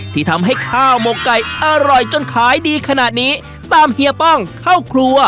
ที่ทำให้ข้าวหมกไก่อร่อยจนขายดีขนาดนี้ตามเฮียป้องเข้าครัว